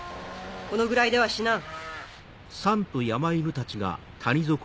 このぐらいでは死なん。